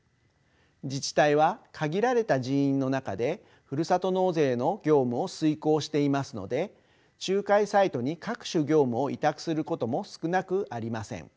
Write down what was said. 自治体は限られた人員の中でふるさと納税の業務を遂行していますので仲介サイトに各種業務を委託することも少なくありません。